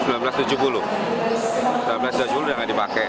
seribu sembilan ratus dua puluh tujuh sudah tidak dipakai